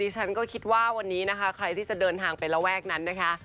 ฉันก็คิดว่าวันนี้นะคะใครที่จะเดินทางไประแวกนั้นนะคะ